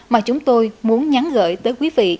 mà chúng tôi muốn nhắn gửi tới quý vị